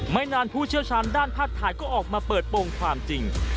ไม่นานผู้เชี่ยวชาญด้านภาพถ่ายก็ออกมาเปิดโปรงความจริง